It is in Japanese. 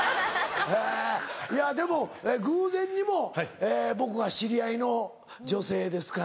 いやでも偶然にも僕が知り合いの女性ですから。